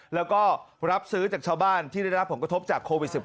แล้วก็รับซื้อจากชาวบ้านที่ได้รับผลกระทบจากโควิด๑๙